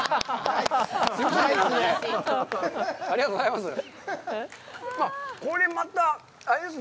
ありがとうございます。